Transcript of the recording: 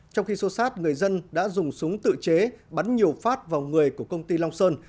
trong khi sô sát người dân đã dùng súng tự chế bắn nhiều phát vào người của công ty long sơn